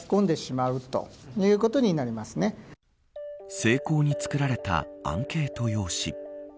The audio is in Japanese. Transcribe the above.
精巧に作られたアンケート用紙。